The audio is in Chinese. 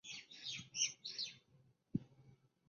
此时的天皇是平安时代之平城天皇与嵯峨天皇。